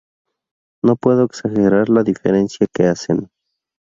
No puedo exagerar la diferencia que hacen".